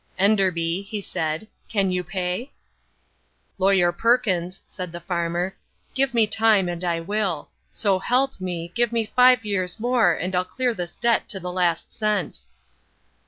"Enderby," he said, "can you pay?" "Lawyer Perkins," said the farmer, "give me time and I will; so help me, give me five years more and I'll clear this debt to the last cent."